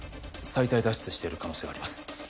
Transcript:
臍帯脱出してる可能性があります